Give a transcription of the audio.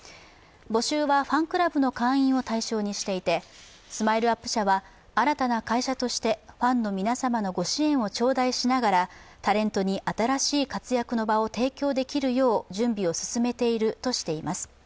募集はファンクラブの会員を対象にしていて、ＳＭＩＬＥ−ＵＰ．社は新たな会社としてファンの皆様のご支援を頂戴しながらタレントに新しい活躍の場を提供できるよう準備を進めているとしています